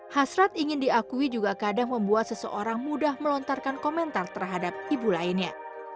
hasrat ingin diakui juga kadang membuat seseorang mudah melontarkan komentar terhadap ibu lainnya